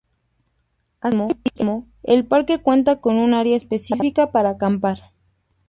Asimismo, el parque cuenta con un área específica para acampar.